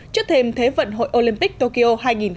trước thêm thế vận hội olympic tokyo hai nghìn hai mươi